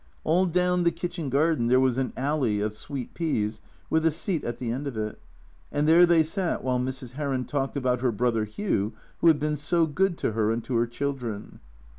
All down the kitchen garden there was an alley of sweet peas with a seat at the end of it, and there they sat while Mrs. Heron talked about her brother Hugh who had been so good to her and to her children.